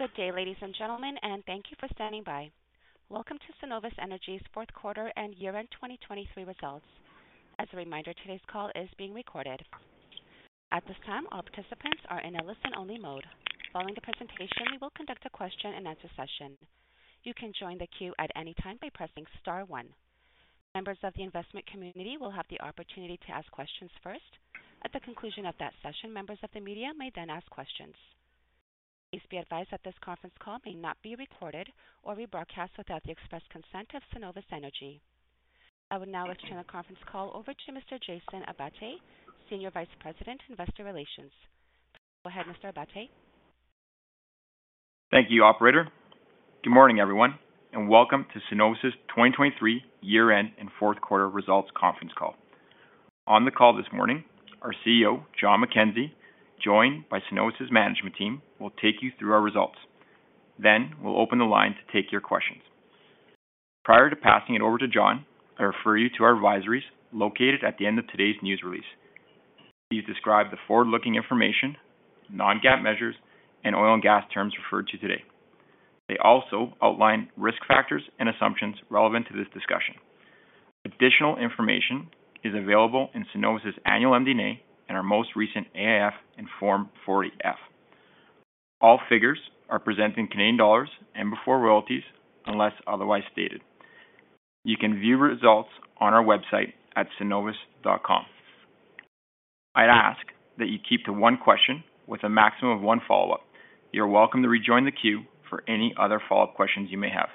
Good day, ladies and gentlemen, and thank you for standing by. Welcome to Cenovus Energy's fourth quarter and year-end 2023 results. As a reminder, today's call is being recorded. At this time, all participants are in a listen-only mode. Following the presentation, we will conduct a question-and-answer session. You can join the queue at any time by pressing star one. Members of the investment community will have the opportunity to ask questions first. At the conclusion of that session, members of the media may then ask questions. Please be advised that this conference call may not be recorded or rebroadcast without the express consent of Cenovus Energy. I would now like to turn the conference call over to Mr. Jason Abbate, Senior Vice President, Investor Relations. Go ahead, Mr. Abbate. Thank you, operator. Good morning, everyone, and welcome to Cenovus's 2023 year-end and fourth quarter results conference call. On the call this morning, our CEO, Jon McKenzie, joined by Cenovus's management team, will take you through our results. Then we'll open the line to take your questions. Prior to passing it over to Jon, I refer you to our advisories located at the end of today's news release. These describe the forward-looking information, non-GAAP measures, and oil and gas terms referred to today. They also outline risk factors and assumptions relevant to this discussion. Additional information is available in Cenovus's annual MD&A and our most recent AIF and Form 40-F. All figures are presented in Canadian dollars and before royalties, unless otherwise stated. You can view results on our website at cenovus.com. I'd ask that you keep to one question with a maximum of one follow-up. You're welcome to rejoin the queue for any other follow-up questions you may have.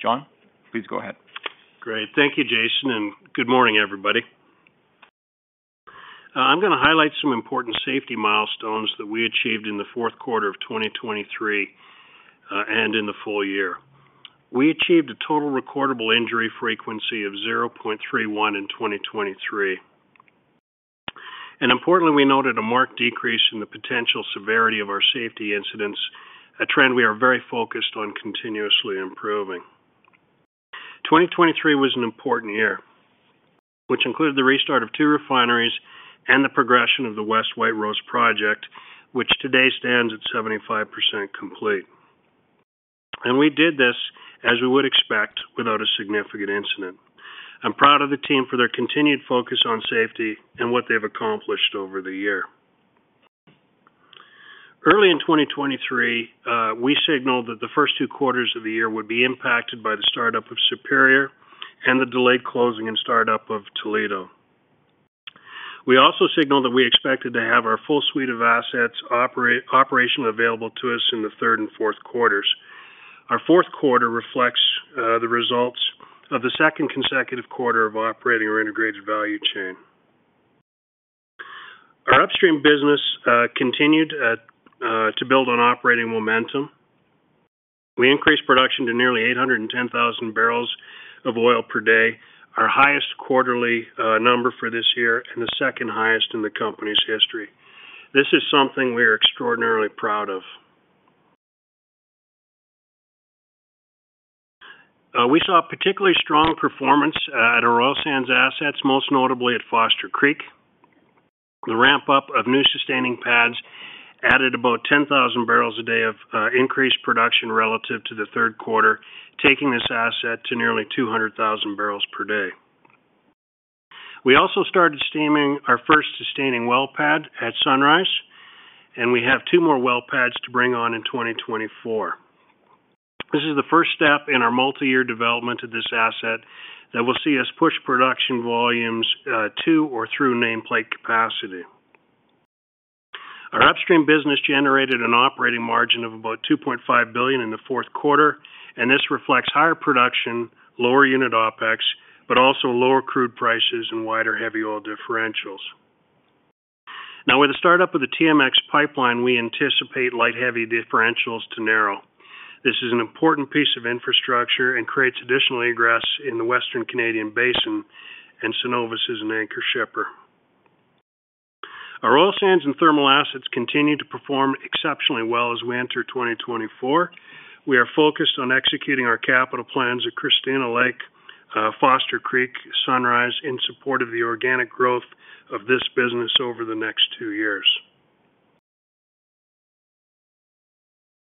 Jon, please go ahead. Great. Thank you, Jason, and good morning, everybody. I'm going to highlight some important safety milestones that we achieved in the fourth quarter of 2023, and in the full year. We achieved a total recordable injury frequency of 0.31 in 2023. And importantly, we noted a marked decrease in the potential severity of our safety incidents, a trend we are very focused on continuously improving. 2023 was an important year, which included the restart of two refineries and the progression of the West White Rose project, which today stands at 75% complete. And we did this, as you would expect, without a significant incident. I'm proud of the team for their continued focus on safety and what they've accomplished over the year. Early in 2023, we signaled that the first two quarters of the year would be impacted by the startup of Superior and the delayed closing and startup of Toledo. We also signaled that we expected to have our full suite of assets operationally available to us in the third and fourth quarters. Our fourth quarter reflects the results of the second consecutive quarter of operating our integrated value chain. Our upstream business continued to build on operating momentum. We increased production to nearly 810,000 barrels of oil per day, our highest quarterly number for this year and the second highest in the company's history. This is something we are extraordinarily proud of. We saw a particularly strong performance at our oil sands assets, most notably at Foster Creek. The ramp-up of new sustaining pads added about 10,000 barrels a day of increased production relative to the third quarter, taking this asset to nearly 200,000 barrels per day. We also started steaming our first sustaining well pad at Sunrise, and we have two more well pads to bring on in 2024. This is the first step in our multi-year development of this asset that will see us push production volumes to or through nameplate capacity. Our upstream business generated an operating margin of about 2.5 billion in the fourth quarter, and this reflects higher production, lower unit OpEx, but also lower crude prices and wider heavy oil differentials. Now, with the start-up of the TMX pipeline, we anticipate light, heavy differentials to narrow. This is an important piece of infrastructure and creates additional egress in the Western Canadian Basin, and Cenovus is an anchor shipper. Our oil sands and thermal assets continue to perform exceptionally well as we enter 2024. We are focused on executing our capital plans at Christina Lake, Foster Creek, Sunrise, in support of the organic growth of this business over the next two years.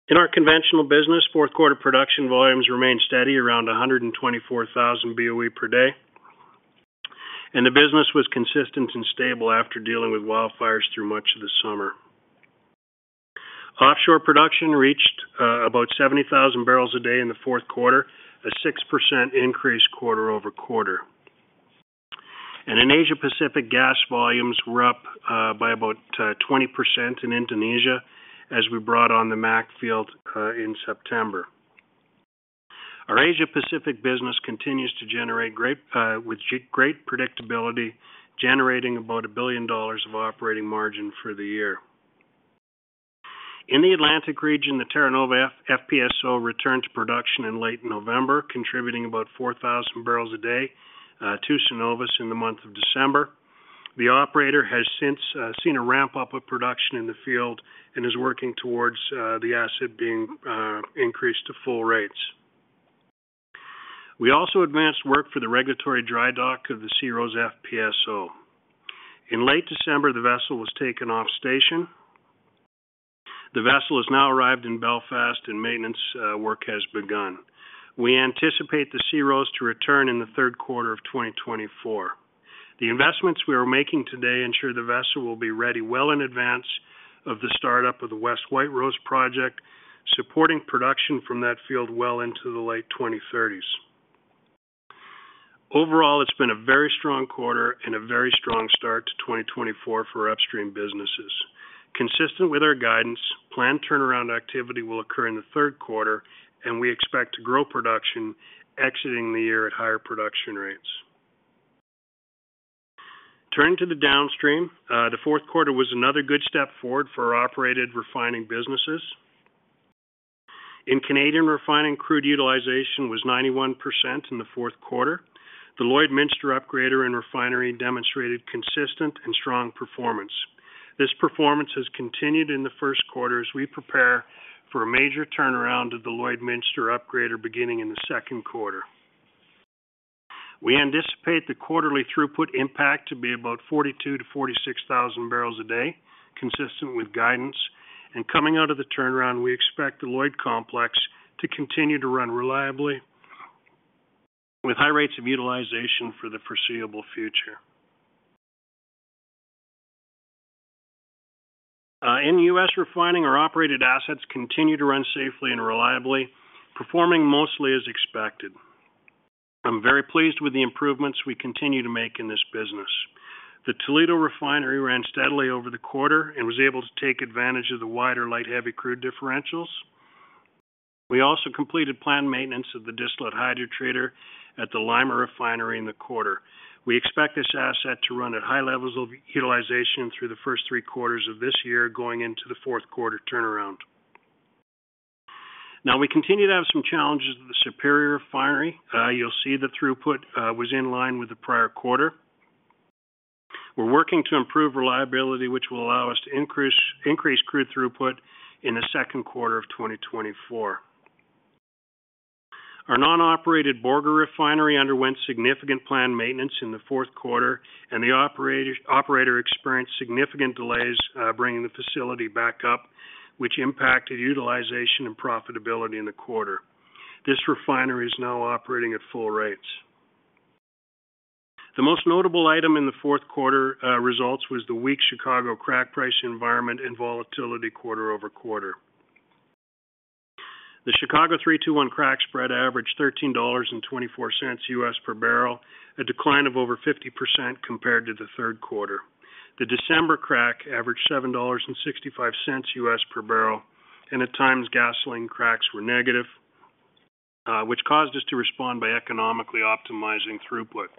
In our conventional business, fourth quarter production volumes remained steady around 124,000 BOE per day, and the business was consistent and stable after dealing with wildfires through much of the summer. Offshore production reached about 70,000 barrels a day in the fourth quarter, a 6% increase quarter-over-quarter. And in Asia-Pacific, gas volumes were up by about 20% in Indonesia as we brought on the MAC field in September. Our Asia-Pacific business continues to generate great, with great predictability, generating about 1 billion dollars of operating margin for the year. In the Atlantic region, the Terra Nova FPSO returned to production in late November, contributing about 4,000 barrels a day to Cenovus in the month of December. The operator has since seen a ramp-up of production in the field and is working towards the asset being increased to full rates. We also advanced work for the regulatory dry dock of the SeaRose FPSO. In late December, the vessel was taken off station. The vessel has now arrived in Belfast and maintenance work has begun. We anticipate the SeaRose to return in the third quarter of 2024. The investments we are making today ensure the vessel will be ready well in advance of the startup of the West White Rose project, supporting production from that field well into the late 2030s. Overall, it's been a very strong quarter and a very strong start to 2024 for upstream businesses. Consistent with our guidance, planned turnaround activity will occur in the third quarter, and we expect to grow production, exiting the year at higher production rates. Turning to the downstream, the fourth quarter was another good step forward for our operated refining businesses. In Canadian refining, crude utilization was 91% in the fourth quarter. The Lloydminster Upgrader and Refinery demonstrated consistent and strong performance. This performance has continued in the first quarter as we prepare for a major turnaround of the Lloydminster Upgrader beginning in the second quarter. We anticipate the quarterly throughput impact to be about 42,000-46,000 barrels a day, consistent with guidance, and coming out of the turnaround, we expect the Lloyd complex to continue to run reliably with high rates of utilization for the foreseeable future. In U.S. refining, our operated assets continue to run safely and reliably, performing mostly as expected. I'm very pleased with the improvements we continue to make in this business. The Toledo Refinery ran steadily over the quarter and was able to take advantage of the wider light, heavy crude differentials. We also completed planned maintenance of the distillate hydrotreater at the Lima Refinery in the quarter. We expect this asset to run at high levels of utilization through the first three quarters of this year, going into the fourth quarter turnaround. Now, we continue to have some challenges at the Superior Refinery. You'll see the throughput was in line with the prior quarter. We're working to improve reliability, which will allow us to increase crude throughput in the second quarter of 2024. Our non-operated Borger Refinery underwent significant planned maintenance in the fourth quarter, and the operator experienced significant delays bringing the facility back up, which impacted utilization and profitability in the quarter. This refinery is now operating at full rates. The most notable item in the fourth quarter results was the weak Chicago crack price environment and volatility quarter over quarter. The Chicago 3-2-1 crack spread averaged $13.24 US per barrel, a decline of over 50% compared to the third quarter. The December crack averaged $7.65 per barrel, and at times, gasoline cracks were negative, which caused us to respond by economically optimizing throughput.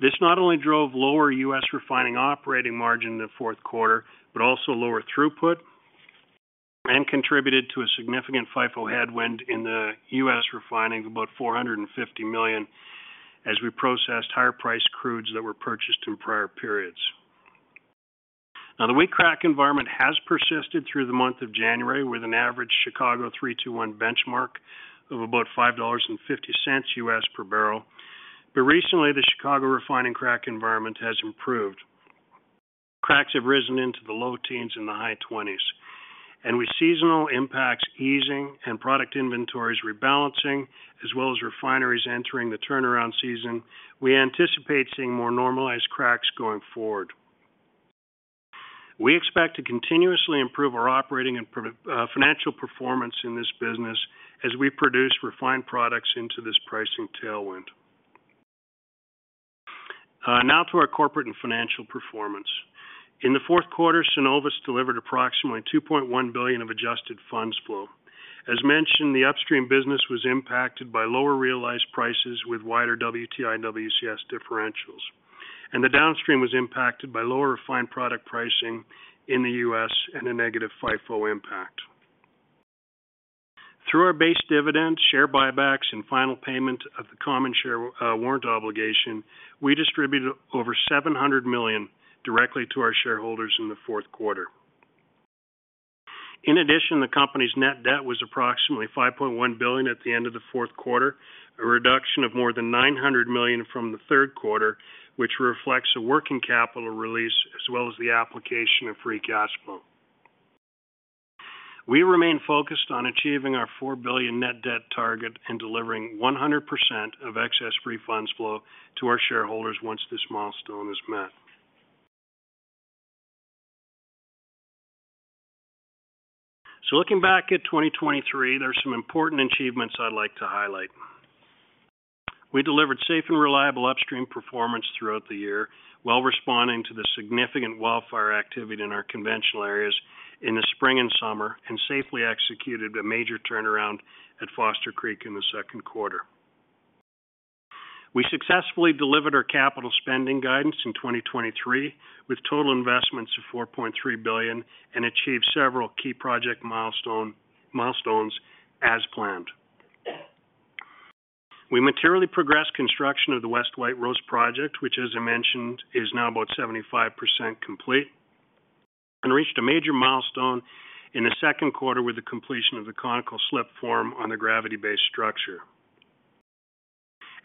This not only drove lower U.S. refining operating margin in the fourth quarter, but also lower throughput, and contributed to a significant FIFO headwind in the U.S. refining about $450 million as we processed higher-priced crudes that were purchased in prior periods. Now, the weak crack environment has persisted through the month of January, with an average Chicago 3-2-1 benchmark of about $5.50 per barrel. But recently, the Chicago refining crack environment has improved. Cracks have risen into the low teens and the high twenties, and with seasonal impacts easing and product inventories rebalancing, as well as refineries entering the turnaround season, we anticipate seeing more normalized cracks going forward. We expect to continuously improve our operating and financial performance in this business as we produce refined products into this pricing tailwind. Now to our corporate and financial performance. In the fourth quarter, Cenovus delivered approximately 2.1 billion of adjusted funds flow. As mentioned, the upstream business was impacted by lower realized prices with wider WTI and WCS differentials, and the downstream was impacted by lower refined product pricing in the U.S. and a negative FIFO impact. Through our base dividend, share buybacks, and final payment of the common share warrant obligation, we distributed over 700 million directly to our shareholders in the fourth quarter. In addition, the company's net debt was approximately 5.1 billion at the end of the fourth quarter, a reduction of more than 900 million from the third quarter, which reflects a working capital release as well as the application of free cash flow. We remain focused on achieving our 4 billion net debt target and delivering 100% of excess free funds flow to our shareholders once this milestone is met. So looking back at 2023, there are some important achievements I'd like to highlight. We delivered safe and reliable upstream performance throughout the year, while responding to the significant wildfire activity in our conventional areas in the spring and summer, and safely executed a major turnaround at Foster Creek in the second quarter. We successfully delivered our capital spending guidance in 2023, with total investments of 4.3 billion, and achieved several key project milestones as planned. We materially progressed construction of the West White Rose project, which, as I mentioned, is now about 75% complete, and reached a major milestone in the second quarter with the completion of the conical slipform on the gravity-based structure.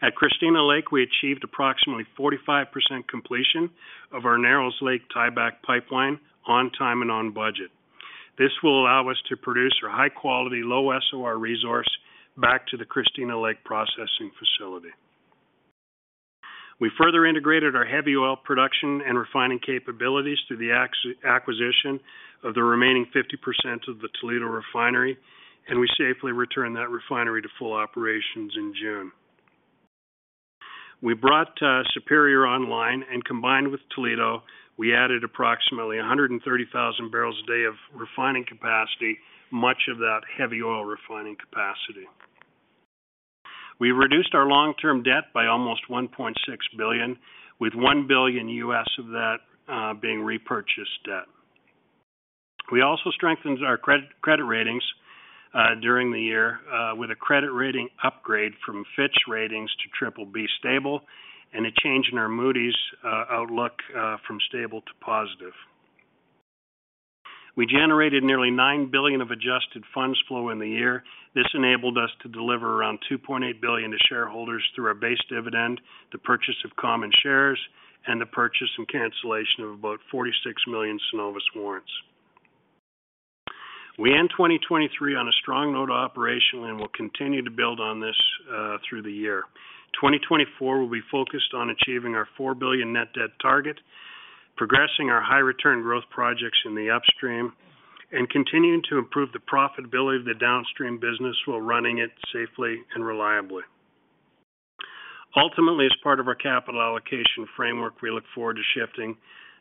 At Christina Lake, we achieved approximately 45% completion of our Narrows Lake tieback pipeline on time and on budget. This will allow us to produce our high-quality, low SOR resource back to the Christina Lake processing facility. We further integrated our heavy oil production and refining capabilities through the acquisition of the remaining 50% of the Toledo Refinery, and we safely returned that refinery to full operations in June. We brought Superior online and combined with Toledo, we added approximately 130,000 barrels a day of refining capacity, much of that heavy oil refining capacity. We reduced our long-term debt by almost 1.6 billion, with $1 billion of that being repurchased debt. We also strengthened our credit ratings during the year with a credit rating upgrade from Fitch Ratings to BBB stable, and a change in our Moody's outlook from stable to positive. We generated nearly 9 billion of adjusted funds flow in the year. This enabled us to deliver around 2.8 billion to shareholders through our base dividend, the purchase of common shares, and the purchase and cancellation of about 46 million Cenovus warrants. We end 2023 on a strong note operationally, and we'll continue to build on this through the year. 2024 will be focused on achieving our 4 billion net debt target, progressing our high return growth projects in the upstream, and continuing to improve the profitability of the downstream business while running it safely and reliably. Ultimately, as part of our capital allocation framework, we look forward to shifting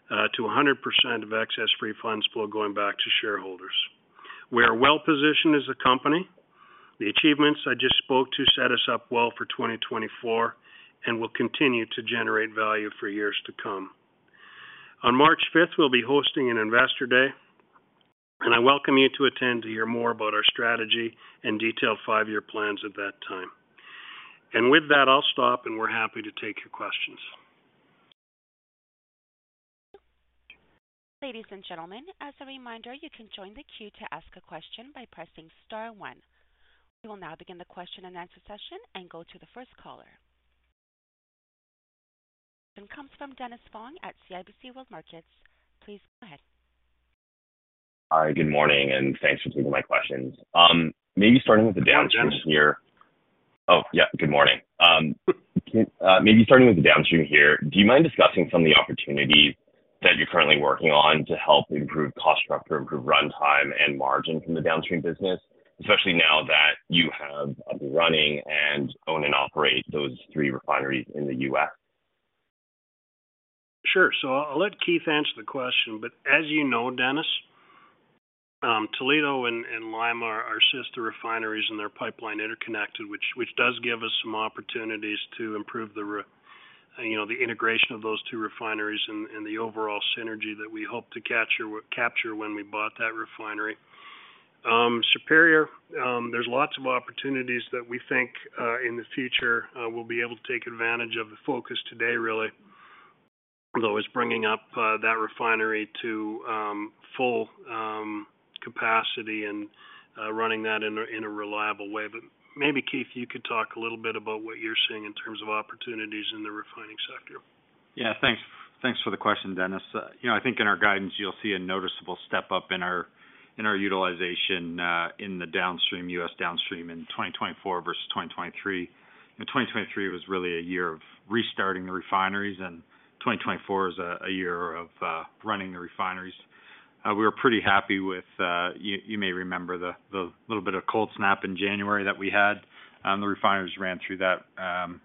to 100% of excess free funds flow going back to shareholders. We are well-positioned as a company. The achievements I just spoke to set us up well for 2024 and will continue to generate value for years to come. On March fifth, we'll be hosting an Investor Day, and I welcome you to attend to hear more about our strategy and detailed 5-year plans at that time. With that, I'll stop, and we're happy to take your questions. Ladies and gentlemen, as a reminder, you can join the queue to ask a question by pressing star one. We will now begin the question-and-answer session and go to the first caller. Our first question comes from Dennis Fong at CIBC World Markets. Please go ahead. Hi, good morning, and thanks for taking my questions. Oh, yeah, good morning. Maybe starting with the downstream here, do you mind discussing some of the opportunities that you're currently working on to help improve cost structure, improve runtime and margin from the downstream business, especially now that you have up and running and own and operate those three refineries in the U.S.? Sure. So I'll let Keith answer the question, but as you know, Dennis, Toledo and Lima are our sister refineries, and their pipeline interconnected, which does give us some opportunities to improve the integration of those two refineries and the overall synergy that we hope to capture when we bought that refinery. Superior, there's lots of opportunities that we think in the future we'll be able to take advantage of. The focus today, really, though, is bringing up that refinery to full capacity and running that in a reliable way. But maybe, Keith, you could talk a little bit about what you're seeing in terms of opportunities in the refining sector. Yeah, thanks. Thanks for the question, Dennis. You know, I think in our guidance, you'll see a noticeable step up in our utilization in the downstream, U.S. downstream in 2024 versus 2023. In 2023, it was really a year of restarting the refineries, and 2024 is a year of running the refineries. We were pretty happy with you may remember the little bit of cold snap in January that we had. The refineries ran through that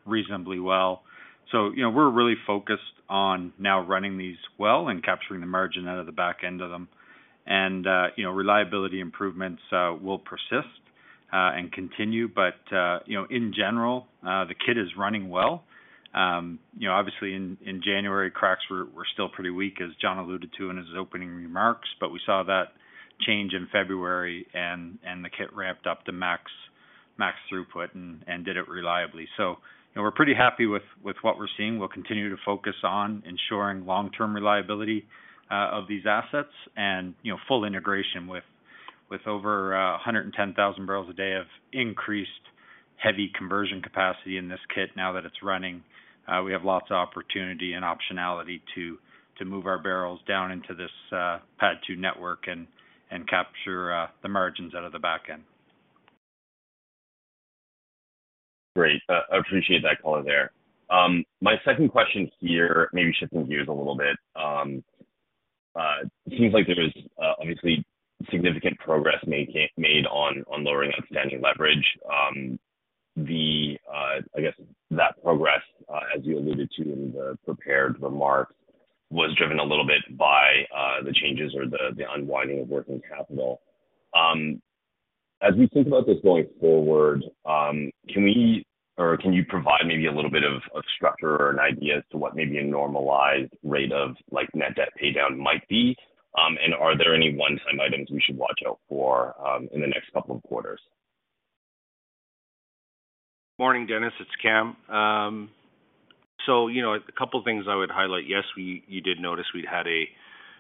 reasonably well. So, you know, we're really focused on now running these well and capturing the margin out of the back end of them. And, you know, reliability improvements will persist and continue. But, you know, in general, the kit is running well. You know, obviously in January, cracks were still pretty weak, as Jon alluded to in his opening remarks, but we saw that change in February and the kit ramped up to max throughput and did it reliably. So, you know, we're pretty happy with what we're seeing. We'll continue to focus on ensuring long-term reliability of these assets and, you know, full integration with over 110,000 barrels a day of increased heavy conversion capacity in this kit. Now that it's running, we have lots of opportunity and optionality to move our barrels down into this PADD II network and capture the margins out of the back end. Great. I appreciate that color there. My second question here, maybe shifting gears a little bit. It seems like there was obviously significant progress made on lowering outstanding leverage. I guess that progress, as you alluded to in the prepared remarks, was driven a little bit by the changes or the unwinding of working capital. As we think about this going forward, can you provide maybe a little bit of structure or an idea as to what maybe a normalized rate of, like, net debt paydown might be? And are there any one-time items we should watch out for in the next couple of quarters? Morning, Dennis, it's Kam. So, you know, a couple of things I would highlight. Yes, you did notice we'd had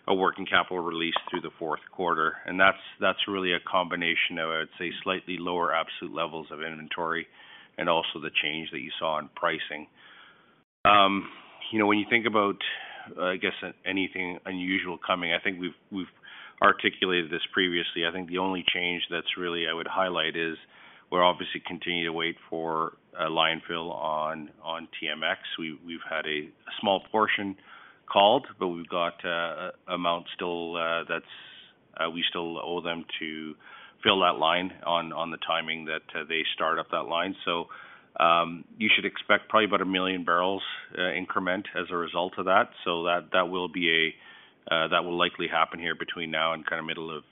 a working capital release through the fourth quarter, and that's really a combination of, I would say, slightly lower absolute levels of inventory and also the change that you saw in pricing. You know, when you think about, I guess, anything unusual coming, I think we've articulated this previously. I think the only change that's really I would highlight is we're obviously continuing to wait for a line fill on TMX. We've had a small portion called, but we've got amount still that's we still owe them to fill that line on the timing that they start up that line. So, you should expect probably about 1 million barrels increment as a result of that. So that, that will be a, that will likely happen here between now and middle of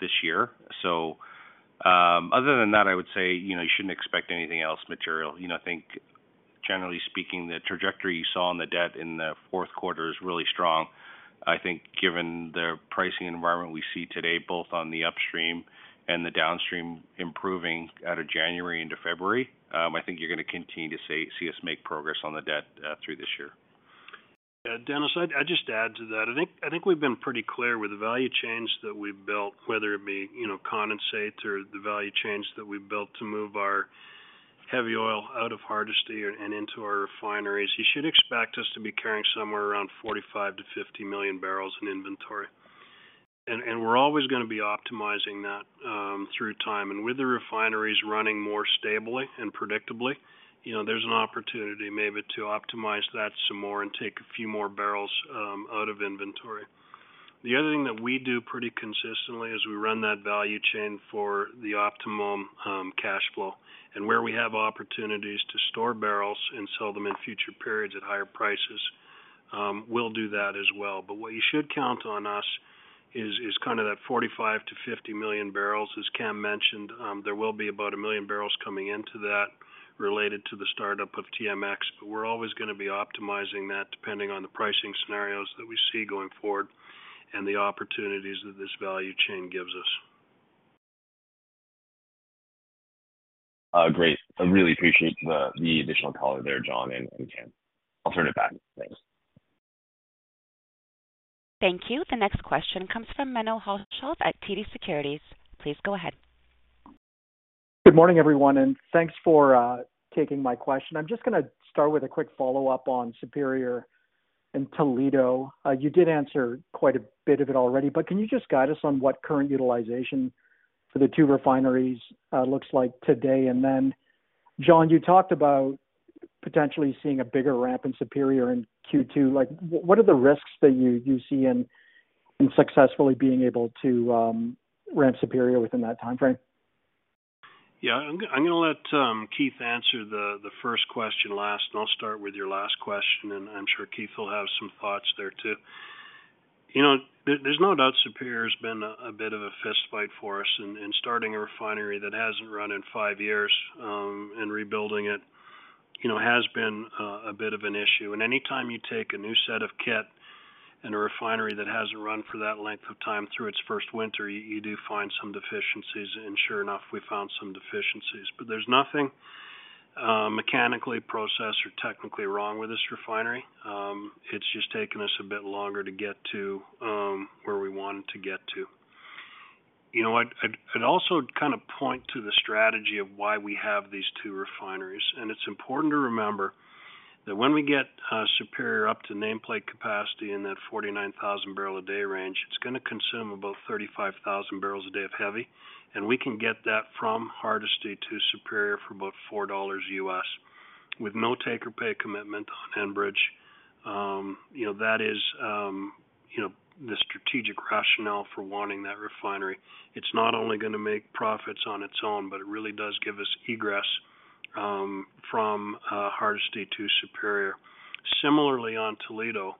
this year. So, other than that, I would say, you know, you shouldn't expect anything else material. You know, I think generally speaking, the trajectory you saw in the debt in the fourth quarter is really strong. I think given the pricing environment we see today, both on the upstream and the downstream, improving out of January into February, I think you're going to continue to see us make progress on the debt through this year. Yeah, Dennis, I'd just add to that. I think we've been pretty clear with the value chains that we've built, whether it be condensates or the value chains that we've built to move our heavy oil out of Hardisty and into our refineries. You should expect us to be carrying somewhere around 45-50 million barrels in inventory. And we're always going to be optimizing that through time. And with the refineries running more stably and predictably, you know, there's an opportunity maybe to optimize that some more and take a few more barrels out of inventory. The other thing that we do pretty consistently is we run that value chain for the optimum cash flow. And where we have opportunities to store barrels and sell them in future periods at higher prices, we'll do that as well. What you should count on us is kind of that 45-50 million barrels. As Kam mentioned, there will be about 1 million barrels coming into that related to the startup of TMX, but we're always going to be optimizing that depending on the pricing scenarios that we see going forward and the opportunities that this value chain gives us. Great. I really appreciate the additional color there, Jon and Kam. I'll turn it back. Thanks. Thank you. The next question comes from Menno Hulshof at TD Securities. Please go ahead. Good morning, everyone, and thanks for taking my question. I'm just going to start with a quick follow-up on Superior and Toledo. You did answer quite a bit of it already, but can you just guide us on what current utilization for the two refineries looks like today? And then, Jon, you talked about potentially seeing a bigger ramp in Superior in Q2. Like, what are the risks that you see in successfully being able to ramp Superior within that time frame? Yeah, I'm going to let Keith answer the first question last, and I'll start with your last question, and I'm sure Keith will have some thoughts there, too. You know, there's no doubt Superior has been a bit of a fistfight for us, and starting a refinery that hasn't run in five years, and rebuilding it, you know, has been a bit of an issue. And anytime you take a new set of kit and a refinery that hasn't run for that length of time through its first winter, you do find some deficiencies, and sure enough, we found some deficiencies. But there's nothing mechanically, processed, or technically wrong with this refinery. It's just taken us a bit longer to get to where we wanted to get to. You know what? I'd also kind of point to the strategy of why we have these two refineries. It's important to remember that when we get Superior up to nameplate capacity in that 49,000 barrel a day range, it's going to consume about 35,000 barrels a day of heavy, and we can get that from Hardisty to Superior for about $4, with no take or pay commitment on Enbridge. You know, that is, you know, the strategic rationale for wanting that refinery. It's not only going to make profits on its own, but it really does give us egress from Hardisty to Superior. Similarly, on Toledo,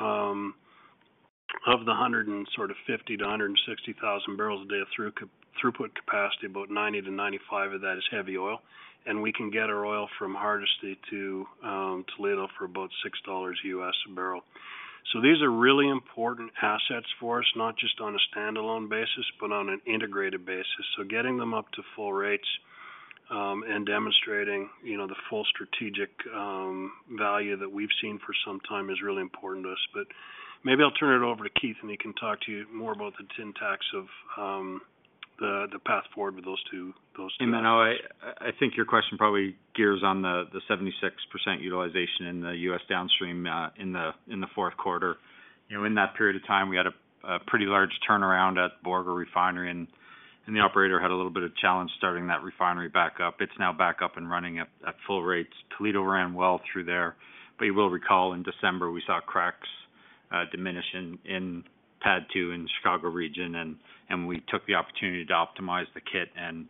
of the 150 to 160 thousand barrels a day of throughput capacity, about 90-95 of that is heavy oil, and we can get our oil from Hardisty to Toledo for about $6 a barrel. So these are really important assets for us, not just on a standalone basis, but on an integrated basis. So getting them up to full rates and demonstrating, you know, the full strategic value that we've seen for some time is really important to us. But maybe I'll turn it over to Keith, and he can talk to you more about the syntax of the path forward with those two, those two. Hey, Menno, I think your question probably gears on the 76% utilization in the U.S. downstream in the fourth quarter. You know, in that period of time, we had a pretty large turnaround at Borger Refinery, and the operator had a little bit of challenge starting that refinery back up. It's now back up and running at full rates. Toledo ran well through there, but you will recall in December, we saw cracks diminish in PADD II in Chicago region, and we took the opportunity to optimize the kit and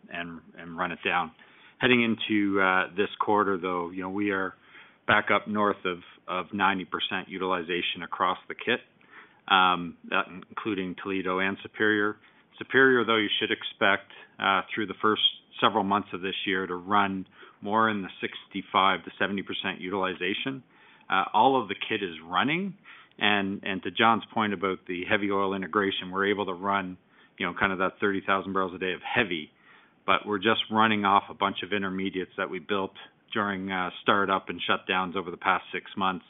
run it down. Heading into this quarter, though, you know, we are back up north of 90% utilization across the kit, including Toledo and Superior. Superior, though, you should expect through the first several months of this year to run more in the 65%-70% utilization.... All of the kit is running. And to Jon's point about the heavy oil integration, we're able to run, you know, kind of that 30,000 barrels a day of heavy, but we're just running off a bunch of intermediates that we built during startup and shutdowns over the past six months.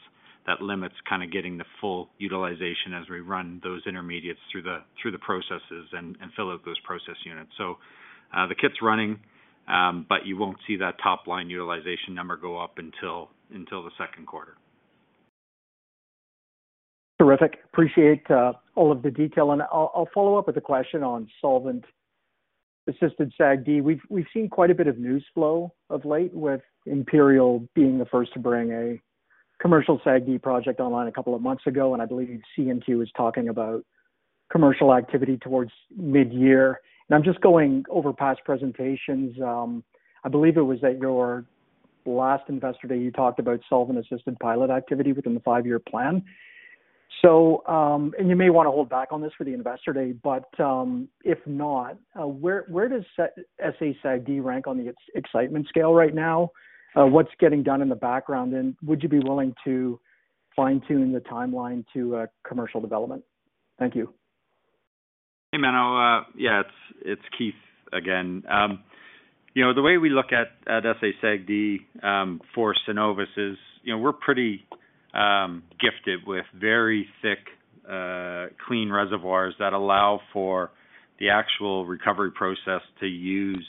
That limits kind of getting the full utilization as we run those intermediates through the processes and fill out those process units. So, the kit's running, but you won't see that top line utilization number go up until the second quarter. Terrific. Appreciate, all of the detail. And I'll follow up with a question on solvent-assisted SAGD. We've seen quite a bit of news flow of late, with Imperial being the first to bring a commercial SAGD project online a couple of months ago, and I believe CNQ is talking about commercial activity towards mid-year. And I'm just going over past presentations. I believe it was at your last Investor Day, you talked about solvent-assisted pilot activity within the five-year plan. So, and you may want to hold back on this for the Investor Day, but, if not, where does SA-SAGD rank on the ex-excitement scale right now? What's getting done in the background, and would you be willing to fine-tune the timeline to, commercial development? Thank you. Hey, Menno. Yeah, it's, it's Keith again. You know, the way we look at SA-SAGD for Cenovus is, you know, we're pretty gifted with very thick clean reservoirs that allow for the actual recovery process to use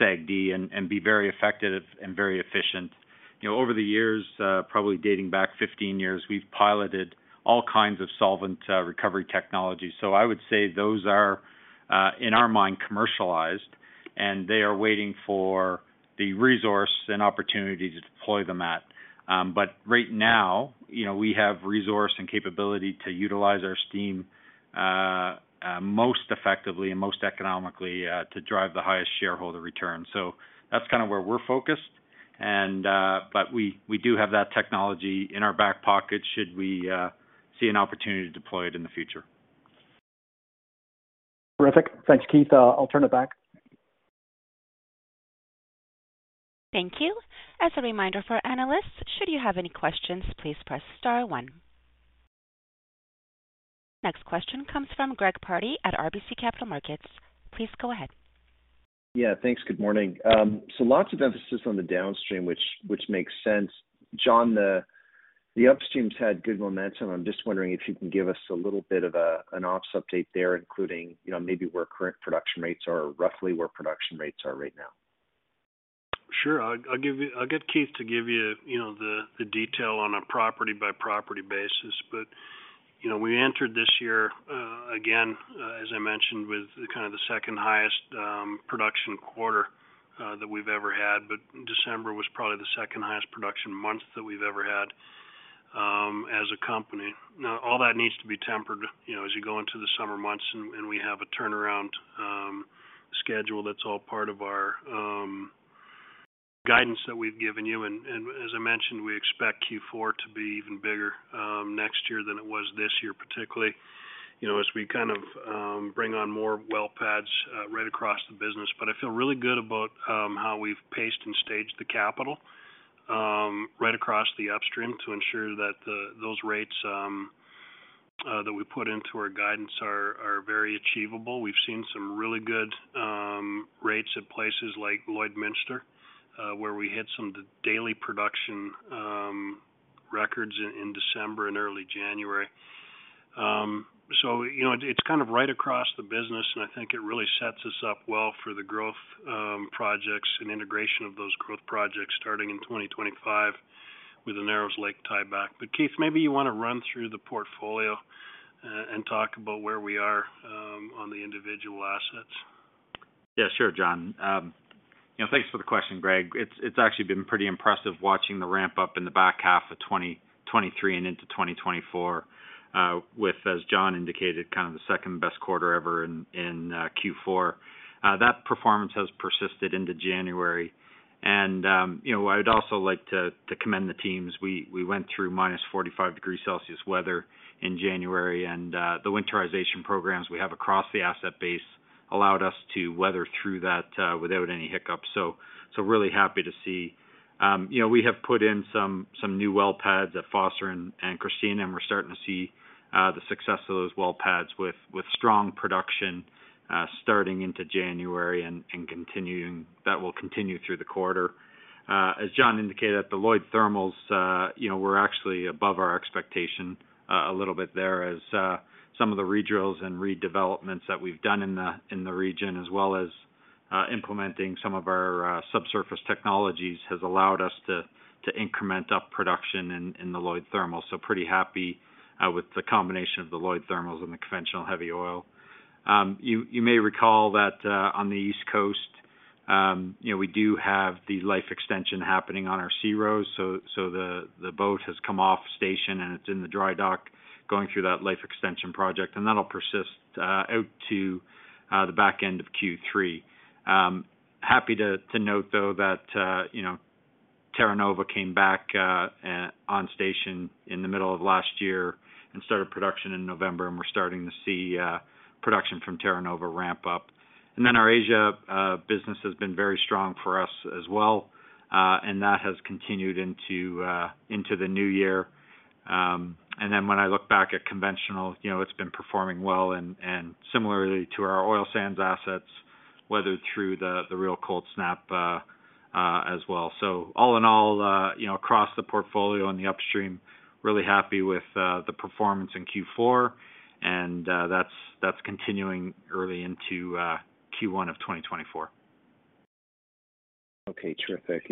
SAGD and be very effective and very efficient. You know, over the years, probably dating back 15 years, we've piloted all kinds of solvent recovery technologies. So I would say those are, in our mind, commercialized, and they are waiting for the resource and opportunity to deploy them at. But right now, you know, we have resource and capability to utilize our steam most effectively and most economically to drive the highest shareholder return. So that's kind of where we're focused. But we do have that technology in our back pocket should we see an opportunity to deploy it in the future. Terrific. Thanks, Keith. I'll turn it back. Thank you. As a reminder for analysts, should you have any questions, please press Star one. Next question comes from Greg Pardy at RBC Capital Markets. Please go ahead. Yeah, thanks. Good morning. So lots of emphasis on the downstream, which makes sense. Jon, the upstream's had good momentum. I'm just wondering if you can give us a little bit of an ops update there, including, you know, maybe where current production rates are, or roughly where production rates are right now. Sure. I'll get Keith to give you, you know, the detail on a property-by-property basis. But, you know, we entered this year again, as I mentioned, with kind of the second highest production quarter that we've ever had. But December was probably the second highest production month that we've ever had as a company. Now, all that needs to be tempered, you know, as you go into the summer months and we have a turnaround schedule that's all part of our guidance that we've given you. And as I mentioned, we expect Q4 to be even bigger next year than it was this year, particularly, you know, as we kind of bring on more well pads right across the business. But I feel really good about how we've paced and staged the capital right across the upstream to ensure that those rates that we put into our guidance are very achievable. We've seen some really good rates at places like Lloydminster where we hit some daily production records in December and early January. So you know, it's kind of right across the business, and I think it really sets us up well for the growth projects and integration of those growth projects starting in 2025 with the Narrows Lake tieback. But Keith, maybe you want to run through the portfolio and talk about where we are on the individual assets. Yeah, sure, Jon. You know, thanks for the question, Greg. It's, it's actually been pretty impressive watching the ramp up in the back half of 2023 and into 2024, with, as Jon indicated, kind of the second-best quarter ever in Q4. That performance has persisted into January. And, you know, I would also like to, to commend the teams. We, we went through -45 degrees Celsius weather in January, and, the winterization programs we have across the asset base allowed us to weather through that, without any hiccups. So, so really happy to see. You know, we have put in some new well pads at Foster and Christina, and we're starting to see the success of those well pads with strong production starting into January and continuing—that will continue through the quarter. As Jon indicated, at the Lloyd Thermals, you know, we're actually above our expectation a little bit there as some of the redrills and redevelopments that we've done in the region, as well as implementing some of our subsurface technologies, has allowed us to increment up production in the Lloyd Thermal. So pretty happy with the combination of the Lloyd Thermals and the conventional heavy oil. You may recall that on the East Coast, you know, we do have the life extension happening on our SeaRose, so the boat has come off station and it's in the dry dock, going through that life extension project, and that'll persist out to the back end of Q3. Happy to note, though, that you know, Terra Nova came back on station in the middle of last year and started production in November, and we're starting to see production from Terra Nova ramp up. And then our Asia business has been very strong for us as well... and that has continued into the new year. And then when I look back at conventional, you know, it's been performing well and similarly to our oil sands assets, weathered through the real cold snap as well. So all in all, you know, across the portfolio on the upstream, really happy with the performance in Q4, and that's continuing early into Q1 of 2024. Okay, terrific.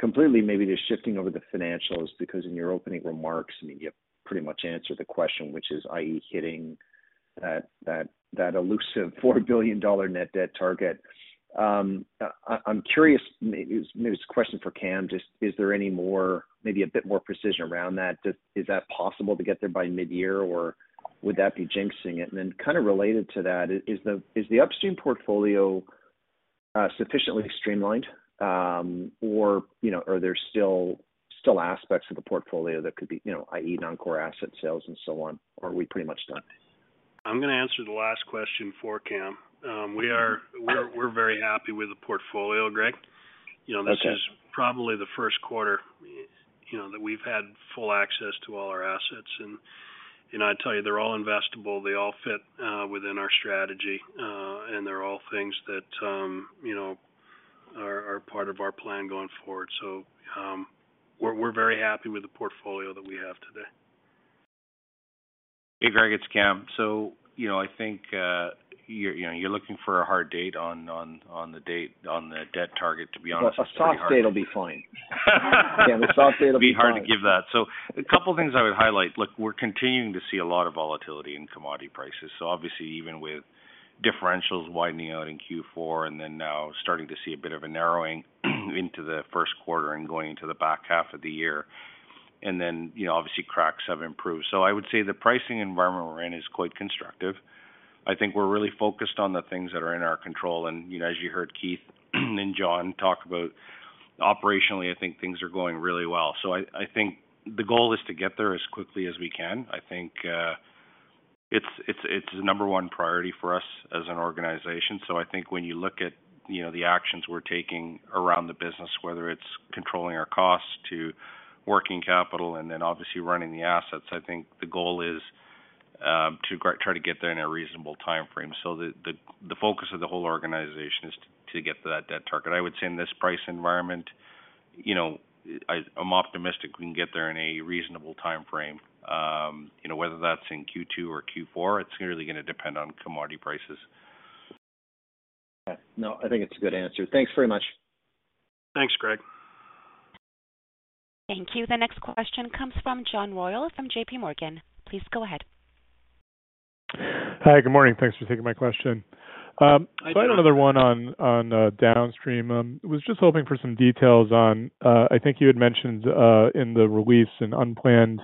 Completely maybe just shifting over the financials, because in your opening remarks, I mean, you pretty much answered the question, which is, i.e., hitting that elusive 4 billion dollar net debt target. I'm curious, maybe this question is for Kam, just is there any more, maybe a bit more precision around that? Just is that possible to get there by mid-year, or would that be jinxing it? And then kind of related to that, is the upstream portfolio sufficiently streamlined, or, you know, are there still aspects of the portfolio that could be, you know, i.e., non-core asset sales and so on? Or are we pretty much done? I'm going to answer the last question for Kam. We are- Okay. We're very happy with the portfolio, Greg. You know- Okay... this is probably the first quarter, you know, that we've had full access to all our assets. And, you know, I'd tell you, they're all investable. They all fit within our strategy, and they're all things that, you know, are part of our plan going forward. So, we're very happy with the portfolio that we have today. Hey, Greg, it's Kam. So, you know, I think you're, you know, you're looking for a hard date on the debt target. To be honest with you- A soft date will be fine. Yeah, a soft date will be fine. It'd be hard to give that. So a couple of things I would highlight. Look, we're continuing to see a lot of volatility in commodity prices. So obviously, even with differentials widening out in Q4 and then now starting to see a bit of a narrowing into the first quarter and going into the back half of the year. And then, you know, obviously, cracks have improved. So I would say the pricing environment we're in is quite constructive. I think we're really focused on the things that are in our control. And, you know, as you heard Keith and Jon talk about operationally, I think things are going really well. So I think the goal is to get there as quickly as we can. I think it's the number one priority for us as an organization. So I think when you look at, you know, the actions we're taking around the business, whether it's controlling our costs to working capital and then obviously running the assets, I think the goal is to try to get there in a reasonable timeframe. So the focus of the whole organization is to get to that debt target. I would say in this price environment, you know, I'm optimistic we can get there in a reasonable timeframe. You know, whether that's in Q2 or Q4, it's really going to depend on commodity prices. Yeah. No, I think it's a good answer. Thanks very much. Thanks, Greg. Thank you. The next question comes from John Royall from JP Morgan. Please go ahead. Hi, good morning. Thanks for taking my question. So I had another one on, on, downstream. I was just hoping for some details on, I think you had mentioned, in the release, an unplanned,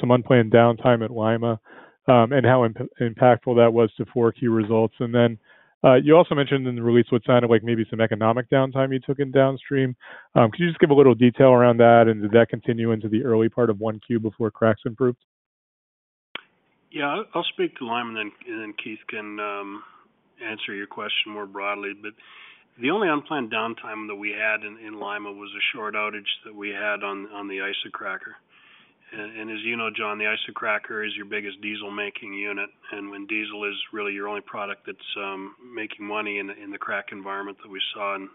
some unplanned downtime at Lima, and how impactful that was to Q4 key results. And then, you also mentioned in the release what sounded like maybe some economic downtime you took in downstream. Could you just give a little detail around that, and did that continue into the early part of 1Q before cracks improved? Yeah, I'll speak to Lima, and then Keith can answer your question more broadly. But the only unplanned downtime that we had in Lima was a short outage that we had on the isocracker. And as you know, Jon, the isocracker is your biggest diesel-making unit, and when diesel is really your only product that's making money in the crack environment that we saw in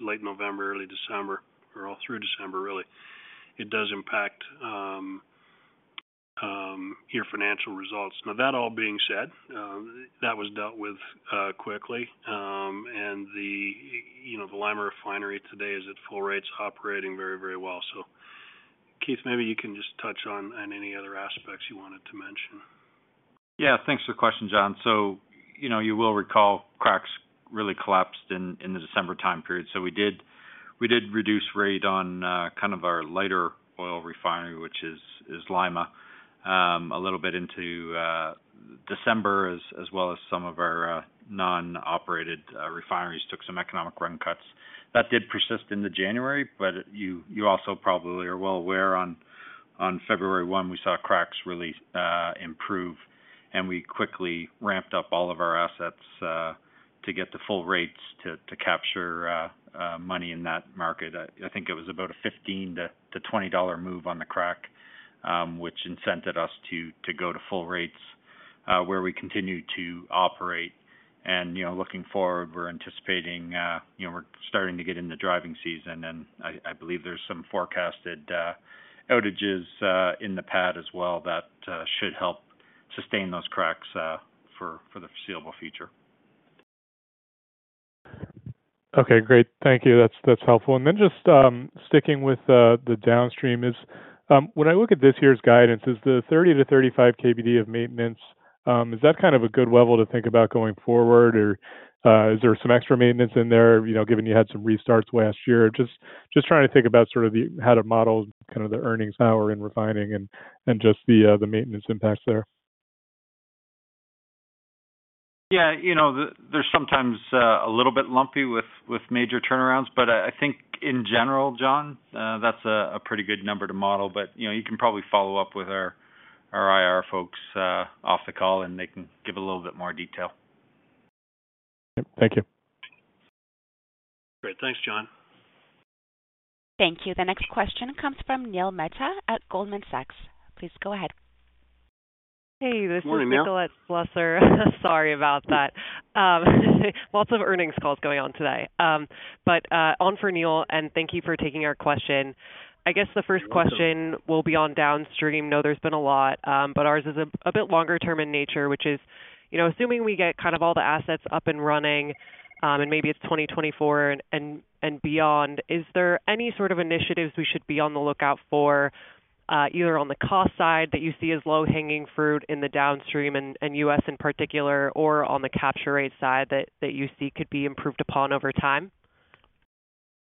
late November, early December, or all through December, really, it does impact your financial results. Now, that all being said, that was dealt with quickly, and you know, the Lima Refinery today is at full rates, operating very well. So, Keith, maybe you can just touch on any other aspects you wanted to mention. Yeah, thanks for the question, Jon. So you know, you will recall cracks really collapsed in the December time period. So we did reduce rate on kind of our lighter oil refinery, which is Lima, a little bit into December, as well as some of our non-operated refineries, took some economic run cuts. That did persist into January, but you also probably are well aware on February one, we saw cracks really improve, and we quickly ramped up all of our assets to get to full rates to capture money in that market. I think it was about a $15-$20 move on the crack, which incented us to go to full rates, where we continued to operate. You know, looking forward, we're anticipating, you know, we're starting to get in the driving season, and I believe there's some forecasted outages in the PADD as well, that should help sustain those cracks for the foreseeable future. Okay, great. Thank you. That's helpful. And then just sticking with the downstream, when I look at this year's guidance, is the 30-35 KBD of maintenance a good level to think about going forward, or is there some extra maintenance in there, you know, given you had some restarts last year? Just trying to think about sort of the how to model the earnings power in refining and just the maintenance impacts there. Yeah, you know, they're sometimes a little bit lumpy with, with major turnarounds, but I, I think in general, Jon, that's a, a pretty good number to model. But, you know, you can probably follow up with our, our IR folks off the call, and they can give a little bit more detail. Thank you. Great. Thanks, Jon. Thank you. The next question comes from Neil Mehta at Goldman Sachs. Please go ahead. Hey, this is- Morning, Neil. Nicolette Slusser. Sorry about that. Lots of earnings calls going on today. But on for Neil, and thank you for taking our question. You're welcome. I guess the first question will be on downstream. I know there's been a lot, but ours is a bit longer term in nature, which is, you know, assuming we get kind of all the assets up and running, and maybe it's 2024 and beyond, is there any sort of initiatives we should be on the lookout for, either on the cost side that you see as low-hanging fruit in the downstream and U.S. in particular, or on the capture rate side that you see could be improved upon over time?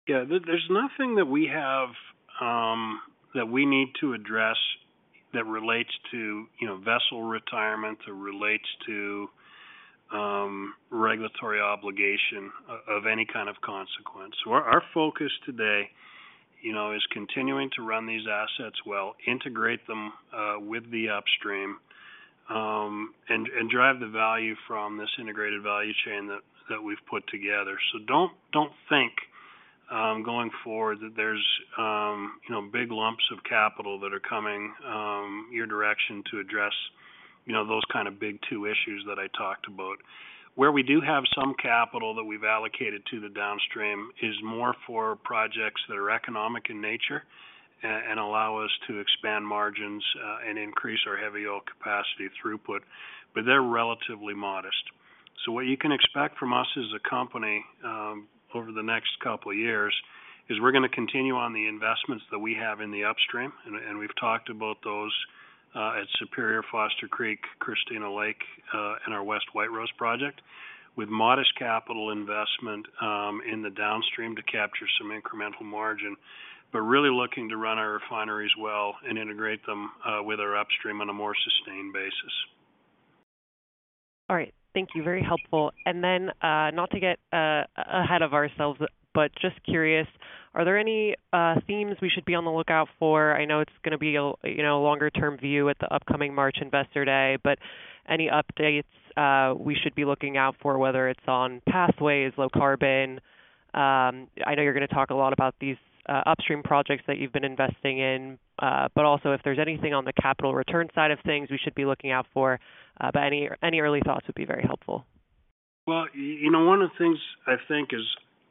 Yeah, there, there's nothing that we have that we need to address that relates to, you know, vessel retirement or relates to regulatory obligation of any kind of consequence. So our focus today, you know, is continuing to run these assets well, integrate them with the upstream and drive the value from this integrated value chain that we've put together. So don't think going forward that there's, you know, big lumps of capital that are coming your direction to address, you know, those kind of big two issues that I talked about. Where we do have some capital that we've allocated to the downstream is more for projects that are economic in nature and allow us to expand margins and increase our heavy oil capacity throughput. But they're relatively modest. So what you can expect from us as a company, over the next couple of years, is we're gonna continue on the investments that we have in the upstream, and we've talked about those, at Superior, Foster Creek, Christina Lake, and our West White Rose project, with modest capital investment, in the downstream to capture some incremental margin, but really looking to run our refineries well and integrate them, with our upstream on a more sustained basis. All right. Thank you. Very helpful. And then, not to get a-ahead of ourselves, but just curious, are there any themes we should be on the lookout for? I know it's gonna be a, you know, a longer term view at the upcoming March Investor Day, but any updates we should be looking out for, whether it's on pathways, low carbon? I know you're gonna talk a lot about these upstream projects that you've been investing in, but also if there's anything on the capital return side of things we should be looking out for, but any early thoughts would be very helpful. Well, you know, one of the things I think is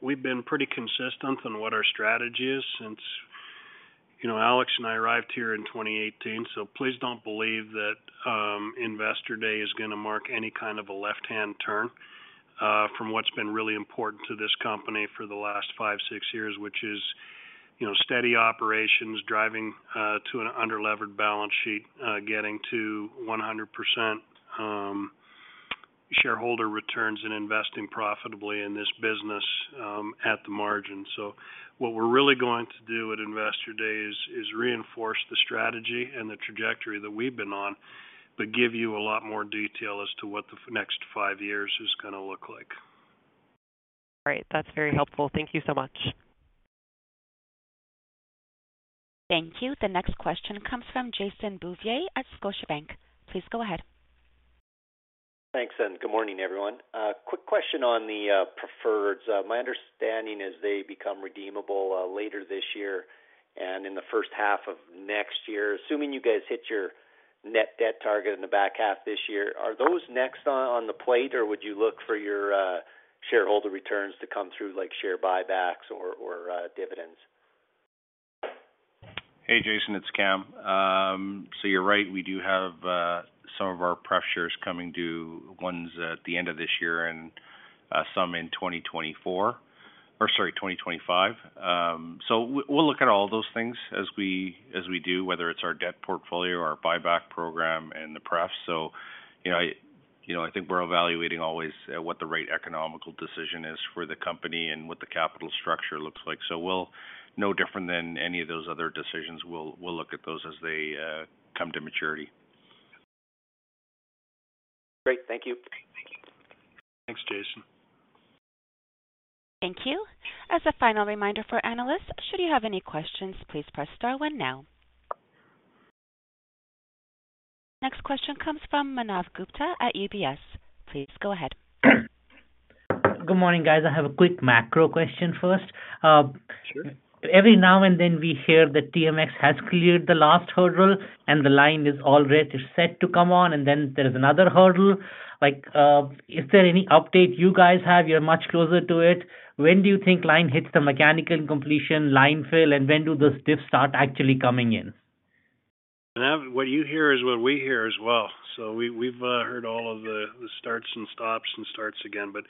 we've been pretty consistent on what our strategy is since, you know, Alex and I arrived here in 2018. So please don't believe that Investor Day is gonna mark any kind of a left-hand turn from what's been really important to this company for the last 5, 6 years, which is, you know, steady operations, driving to an under-levered balance sheet, getting to 100% shareholder returns and investing profitably in this business at the margin. So what we're really going to do at Investor Day is reinforce the strategy and the trajectory that we've been on, but give you a lot more detail as to what the next 5 years is gonna look like. Great, that's very helpful. Thank you so much. Thank you. The next question comes from Jason Bouvier at Scotiabank. Please go ahead. Thanks, and good morning, everyone. Quick question on the preferreds. My understanding is they become redeemable later this year and in the first half of next year. Assuming you guys hit your net debt target in the back half this year, are those next on the plate, or would you look for your shareholder returns to come through, like share buybacks or dividends? Hey, Jason, it's Kam. So you're right, we do have some of our maturities coming due, ones at the end of this year and some in 2024, or sorry, 2025. So we, we'll look at all those things as we do, whether it's our debt portfolio or our buyback program and the pref. So, you know, I, you know, I think we're evaluating always at what the right economic decision is for the company and what the capital structure looks like. So we'll... No different than any of those other decisions, we'll, we'll look at those as they come to maturity. Great. Thank you. Thanks, Jason. Thank you. As a final reminder for analysts, should you have any questions, please press star one now. Next question comes from Manav Gupta at UBS. Please go ahead. Good morning, guys. I have a quick macro question first. Sure. Every now and then, we hear that TMX has cleared the last hurdle, and the line is all ready, set to come on, and then there is another hurdle. Like, is there any update you guys have? You're much closer to it. When do you think line hits the mechanical completion line fill, and when do the diff start actually coming in? Menno, what you hear is what we hear as well. So we've heard all of the starts and stops and starts again. But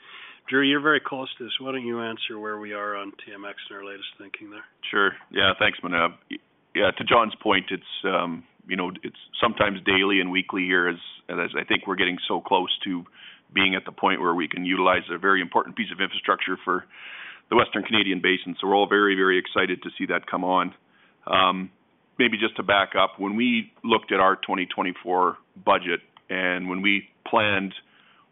Drew, you're very close to this. Why don't you answer where we are on TMX and our latest thinking there? Sure. Yeah, thanks, Menno. Yeah, to Jon's point, it's, you know, it's sometimes daily and weekly here as, as I think we're getting so close to being at the point where we can utilize a very important piece of infrastructure for the Western Canadian Basin. So we're all very, very excited to see that come on. Maybe just to back up, when we looked at our 2024 budget and when we planned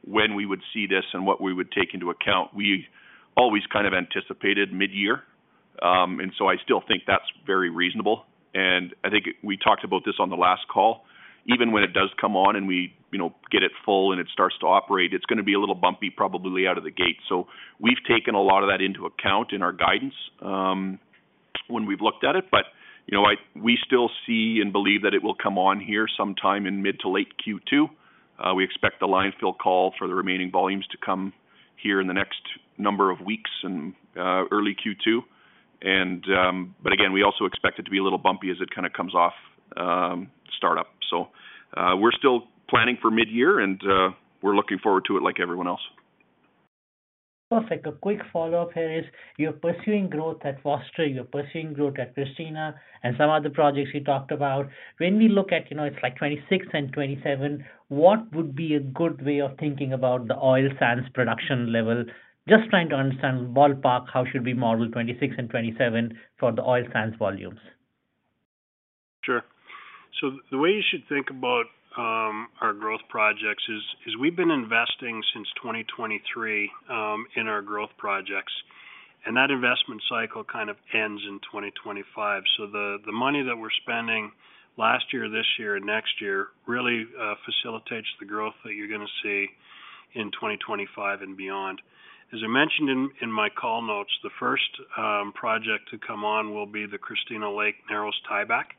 when we would see this and what we would take into account, we always kind of anticipated mid-year... and so I still think that's very reasonable. And I think we talked about this on the last call. Even when it does come on and we, you know, get it full and it starts to operate, it's going to be a little bumpy, probably out of the gate. So we've taken a lot of that into account in our guidance, when we've looked at it. But, you know, we still see and believe that it will come on here sometime in mid to late Q2. We expect the line fill call for the remaining volumes to come here in the next number of weeks in, early Q2. And, but again, we also expect it to be a little bumpy as it kind of comes off, startup. So, we're still planning for midyear, and, we're looking forward to it like everyone else. Perfect. A quick follow-up here is, you're pursuing growth at Foster, you're pursuing growth at Christina and some other projects you talked about. When we look at, you know, it's like 2026 and 2027, what would be a good way of thinking about the oil sands production level? Just trying to understand, ballpark, how should we model 2026 and 2027 for the oil sands volumes? Sure. So the way you should think about our growth projects is we've been investing since 2023 in our growth projects, and that investment cycle kind of ends in 2025. So the money that we're spending last year, this year, and next year really facilitates the growth that you're going to see in 2025 and beyond. As I mentioned in my call notes, the first project to come on will be the Christina Lake Narrows tieback,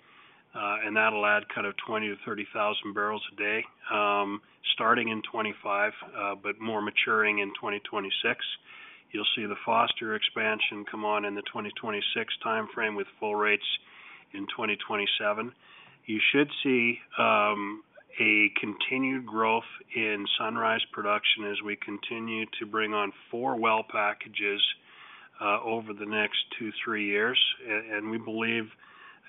and that'll add kind of 20,000-30,000 barrels a day starting in 2025, but more maturing in 2026. You'll see the Foster expansion come on in the 2026 timeframe, with full rates in 2027. You should see a continued growth in Sunrise production as we continue to bring on four well packages over the next 2-3 years. And we believe,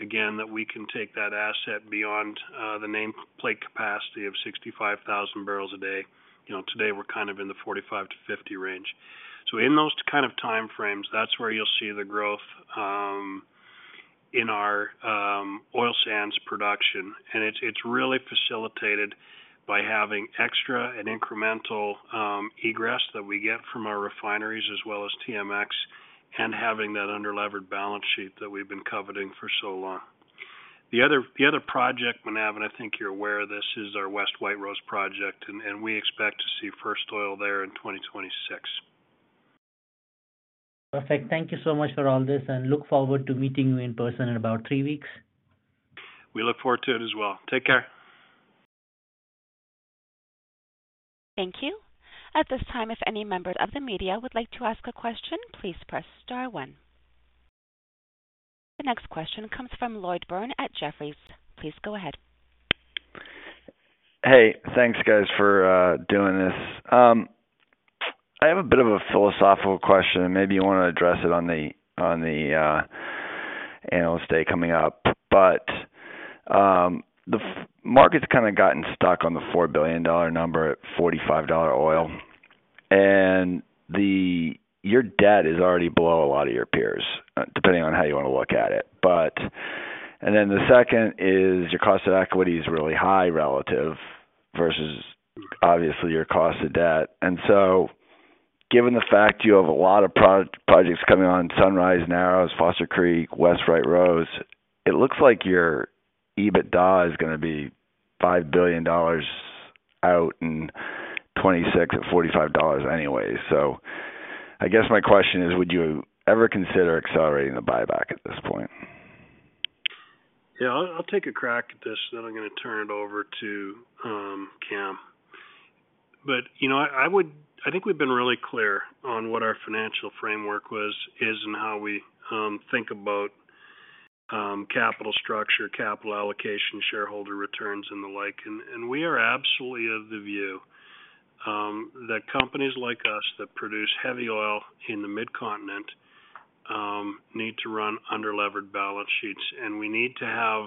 again, that we can take that asset beyond the nameplate capacity of 65,000 barrels a day. You know, today we're kind of in the 45-50 range. So in those kind of time frames, that's where you'll see the growth in our oil sands production. And it's really facilitated by having extra and incremental egress that we get from our refineries, as well as TMX, and having that underlevered balance sheet that we've been coveting for so long. The other project, Menno, and I think you're aware of this, is our West White Rose project, and we expect to see first oil there in 2026. Perfect. Thank you so much for all this, and look forward to meeting you in person in about three weeks. We look forward to it as well. Take care. Thank you. At this time, if any members of the media would like to ask a question, please press Star One. The next question comes from Lloyd Byrne at Jefferies. Please go ahead. Hey, thanks, guys, for doing this. I have a bit of a philosophical question, and maybe you want to address it on the analyst day coming up. But the market's kind of gotten stuck on the $4 billion number at $45 oil, and your debt is already below a lot of your peers, depending on how you want to look at it, but... And then the second is, your cost of equity is really high, relative, versus obviously your cost of debt. And so, given the fact you have a lot of projects coming on, Sunrise, Narrows, Foster Creek, West White Rose, it looks like your EBITDA is going to be $5 billion out in 2026 at $45 anyway. So I guess my question is, would you ever consider accelerating the buyback at this point? Yeah, I'll, I'll take a crack at this, then I'm going to turn it over to, Kam. But, you know, I would, I think we've been really clear on what our financial framework was, is, and how we think about, capital structure, capital allocation, shareholder returns, and the like. And, and we are absolutely of the view, that companies like us that produce heavy oil in the Midcontinent, need to run underlevered balance sheets, and we need to have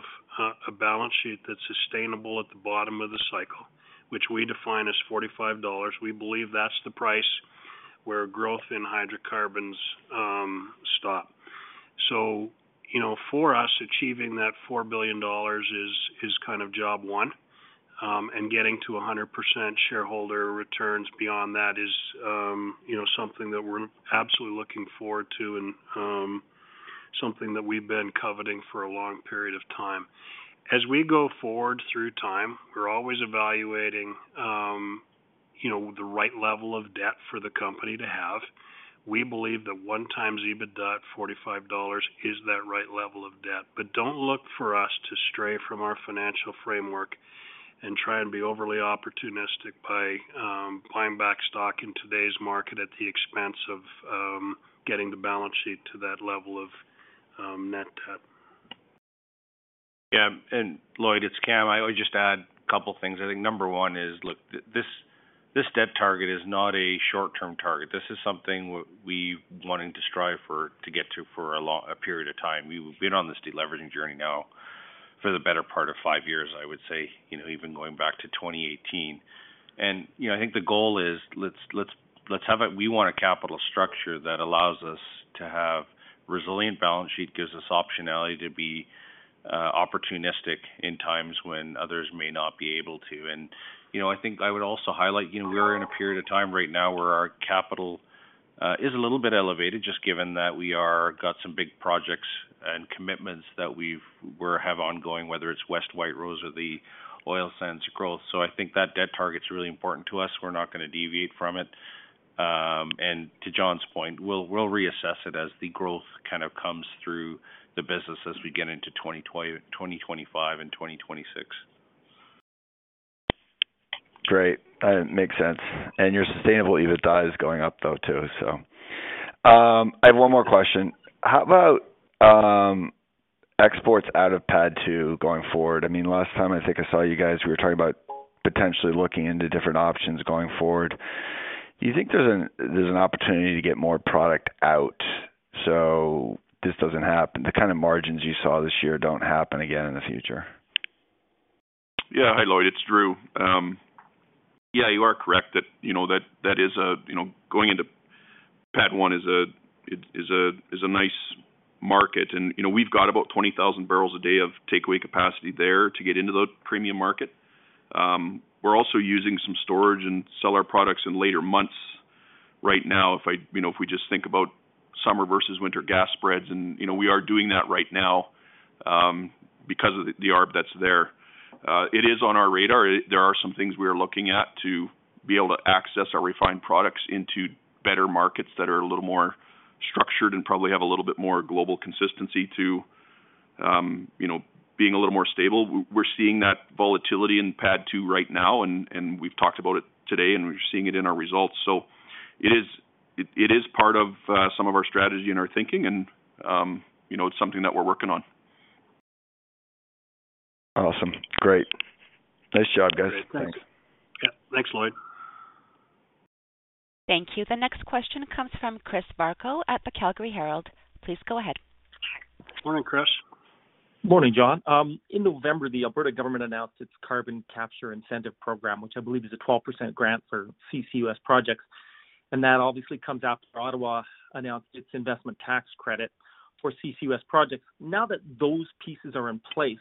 a balance sheet that's sustainable at the bottom of the cycle, which we define as $45. We believe that's the price where growth in hydrocarbons, stop. So, you know, for us, achieving that $4 billion is, is kind of job one, and getting to 100% shareholder returns beyond that is, you know, something that we're absolutely looking forward to and, something that we've been coveting for a long period of time. As we go forward through time, we're always evaluating, you know, the right level of debt for the company to have. We believe that 1x EBITDA at $45 is that right level of debt. But don't look for us to stray from our financial framework and try and be overly opportunistic by, buying back stock in today's market at the expense of, getting the balance sheet to that level of, net debt. Yeah, and Lloyd, it's Kam. I would just add a couple of things. I think number one is, look, this debt target is not a short-term target. This is something we've wanting to strive for, to get to for a long period of time. We've been on this deleveraging journey now for the better part of five years, I would say, you know, even going back to 2018. And, you know, I think the goal is let's have a—we want a capital structure that allows us to have resilient balance sheet, gives us optionality to be.... opportunistic in times when others may not be able to. And, you know, I think I would also highlight, you know, we are in a period of time right now where our capital is a little bit elevated, just given that we've got some big projects and commitments that we've we're have ongoing, whether it's West White Rose or the oil sands growth. So I think that debt target is really important to us. We're not going to deviate from it. And to Jon's point, we'll, we'll reassess it as the growth kind of comes through the business as we get into 2025 and 2026. Great. Makes sense. And your sustainable EBITDA is going up, though, too, so... I have one more question. How about exports out of PADD II going forward? I mean, last time I think I saw you guys, we were talking about potentially looking into different options going forward. Do you think there's an, there's an opportunity to get more product out so this doesn't happen? The kind of margins you saw this year don't happen again in the future. Yeah. Hi, Lloyd, it's Drew. Yeah, you are correct that, you know, that is a, you know, going into PADD I is a nice market. And, you know, we've got about 20,000 barrels a day of takeaway capacity there to get into the premium market. We're also using some storage and sell our products in later months. Right now, if I, you know, if we just think about summer versus winter gas spreads, and, you know, we are doing that right now, because of the arb that's there. It is on our radar. There are some things we are looking at to be able to access our refined products into better markets that are a little more structured and probably have a little bit more global consistency to, you know, being a little more stable. We're seeing that volatility in PADD II right now, and we've talked about it today, and we're seeing it in our results. So it is part of some of our strategy and our thinking and, you know, it's something that we're working on. Awesome. Great. Nice job, guys. Great. Thanks. Yeah. Thanks, Lloyd. Thank you. The next question comes from Chris Varcoe at the Calgary Herald. Please go ahead. Morning, Chris. Morning, Jon. In November, the Alberta government announced its Carbon Capture Incentive Program, which I believe is a 12% grant for CCUS projects, and that obviously comes after Ottawa announced its Investment Tax Credit for CCUS projects. Now that those pieces are in place,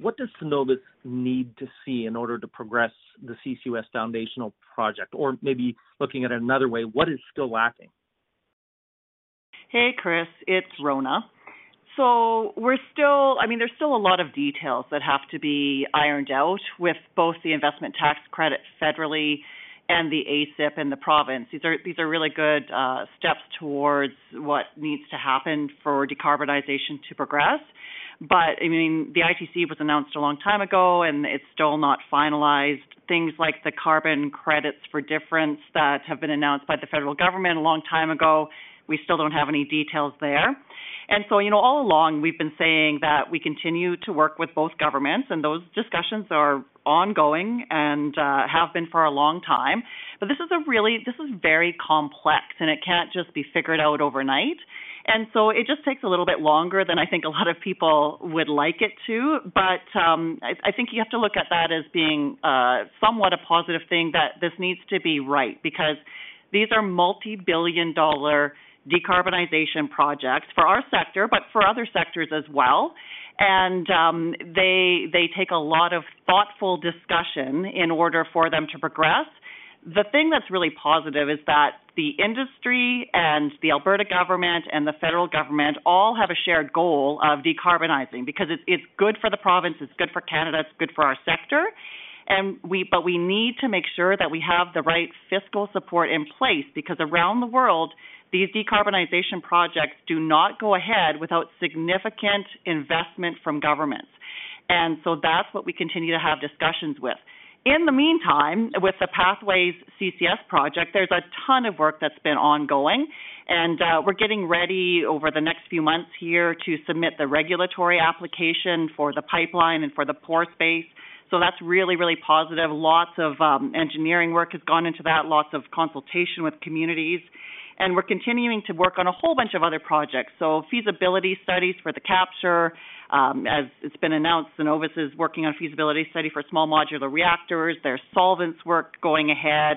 what does Cenovus need to see in order to progress the CCUS foundational project? Or maybe looking at it another way, what is still lacking? Hey, Chris, it's Rhona. So we're still, I mean, there's still a lot of details that have to be ironed out with both the investment tax credit federally and the ACCIP in the province. These are, these are really good steps towards what needs to happen for decarbonization to progress. But, I mean, the ITC was announced a long time ago, and it's still not finalized. Things like the carbon credits for difference that have been announced by the federal government a long time ago, we still don't have any details there. And so, you know, all along, we've been saying that we continue to work with both governments, and those discussions are ongoing and have been for a long time. But this is a really, this is very complex, and it can't just be figured out overnight. So it just takes a little bit longer than I think a lot of people would like it to. But I think you have to look at that as being somewhat a positive thing, that this needs to be right, because these are multi-billion-dollar decarbonization projects for our sector, but for other sectors as well. They take a lot of thoughtful discussion in order for them to progress. The thing that's really positive is that the industry and the Alberta government and the federal government all have a shared goal of decarbonizing, because it's good for the province, it's good for Canada, it's good for our sector, and, but we need to make sure that we have the right fiscal support in place, because around the world, these decarbonization projects do not go ahead without significant investment from governments. And so that's what we continue to have discussions with. In the meantime, with the Pathways CCS project, there's a ton of work that's been ongoing, and we're getting ready over the next few months here to submit the regulatory application for the pipeline and for the pore space. So that's really, really positive. Lots of engineering work has gone into that, lots of consultation with communities, and we're continuing to work on a whole bunch of other projects. So feasibility studies for the capture. As it's been announced, Cenovus is working on a feasibility study for small modular reactors. There's solvents work going ahead.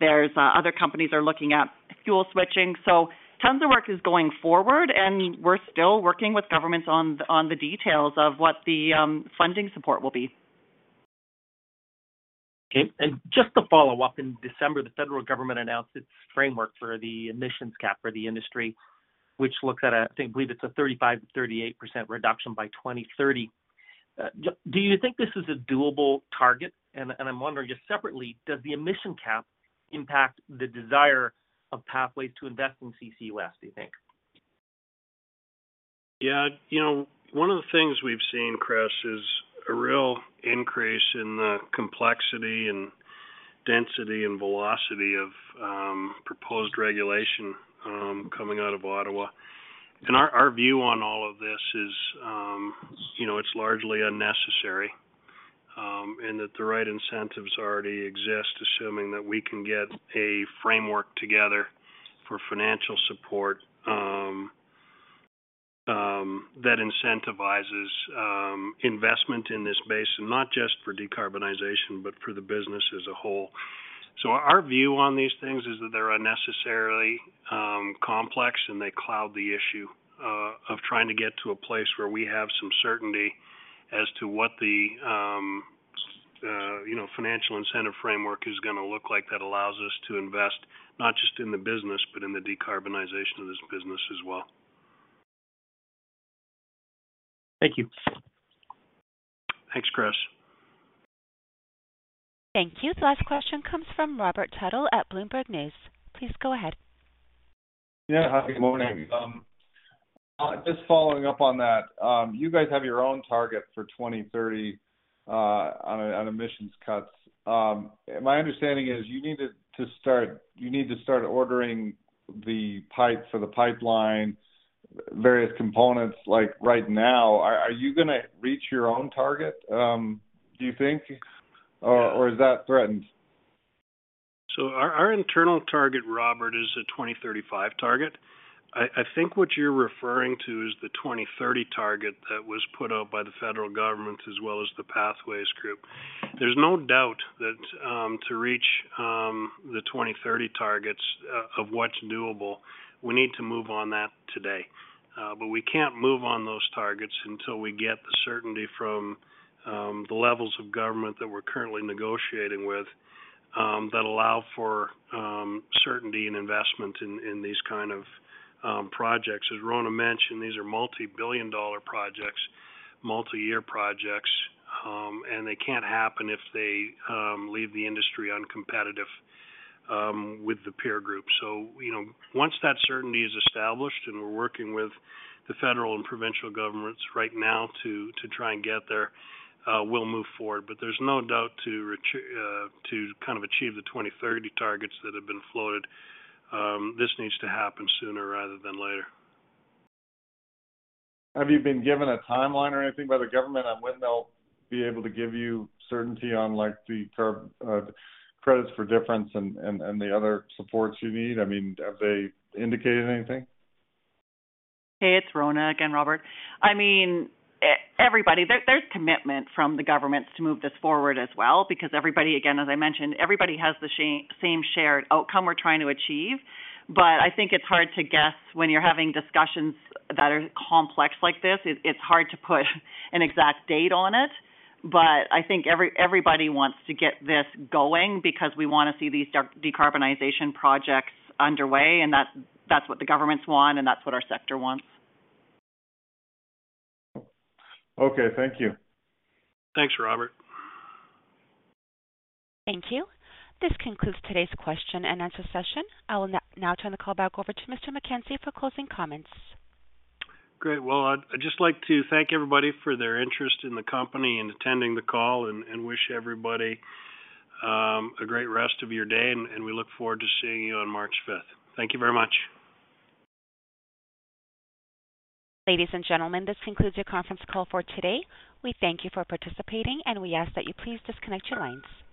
There's other companies are looking at fuel switching. So tons of work is going forward, and we're still working with governments on, on the details of what the funding support will be. Okay. And just to follow up, in December, the federal government announced its framework for the emissions cap for the industry, which looks at, I think, I believe it's a 35%-38% reduction by 2030. Do you think this is a doable target? And, and I'm wondering just separately, does the emission cap impact the desire of Pathways to invest in CCUS, do you think? Yeah. You know, one of the things we've seen, Chris, is a real increase in the complexity and density and velocity of proposed regulation coming out of Ottawa. And our view on all of this is, you know, it's largely unnecessary, and that the right incentives already exist, assuming that we can get a framework together for financial support that incentivizes investment in this basin, not just for decarbonization, but for the business as a whole.... So our view on these things is that they're unnecessarily complex, and they cloud the issue of trying to get to a place where we have some certainty as to what the you know financial incentive framework is going to look like. That allows us to invest not just in the business, but in the decarbonization of this business as well. Thank you. Thanks, Chris. Thank you. The last question comes from Robert Tuttle at Bloomberg News. Please go ahead. Yeah. Hi, good morning. Just following up on that, you guys have your own target for 2030 on emissions cuts. My understanding is you need to start ordering the pipes for the pipeline, various components, like, right now. Are you going to reach your own target, do you think? Or is that threatened? Our internal target, Robert, is a 2035 target. I think what you're referring to is the 2030 target that was put out by the federal government as well as the Pathways group. There's no doubt that to reach the 2030 targets of what's doable, we need to move on that today. But we can't move on those targets until we get the certainty from the levels of government that we're currently negotiating with that allow for certainty and investment in these kind of projects. As Rhona mentioned, these are multi-billion dollar projects, multi-year projects, and they can't happen if they leave the industry uncompetitive with the peer group. So, you know, once that certainty is established, and we're working with the federal and provincial governments right now to try and get there, we'll move forward. But there's no doubt to kind of achieve the 2030 targets that have been floated, this needs to happen sooner rather than later. Have you been given a timeline or anything by the government on when they'll be able to give you certainty on, like, the term, credits for difference and the other supports you need? I mean, have they indicated anything? Hey, it's Rhona again, Robert. I mean, everybody, there, there's commitment from the governments to move this forward as well, because everybody, again, as I mentioned, everybody has the same shared outcome we're trying to achieve. But I think it's hard to guess when you're having discussions that are complex like this. It's hard to put an exact date on it, but I think everybody wants to get this going because we want to see these decarbonization projects underway, and that's what the governments want, and that's what our sector wants. Okay, thank you. Thanks, Robert. Thank you. This concludes today's question and answer session. I will now turn the call back over to Mr. McKenzie for closing comments. Great. Well, I'd just like to thank everybody for their interest in the company and attending the call and wish everybody a great rest of your day, and we look forward to seeing you on March fifth. Thank you very much. Ladies and gentlemen, this concludes your conference call for today. We thank you for participating, and we ask that you please disconnect your lines.